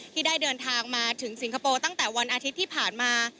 ที่ได้เดินทางมาถึงสิงคโปร์ตั้งแต่วันอาทิตย์ที่ผ่านมา